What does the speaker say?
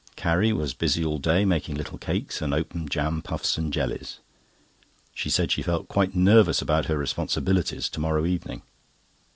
Carrie was busy all day, making little cakes and open jam puffs and jellies. She said she felt quite nervous about her responsibilities to morrow evening.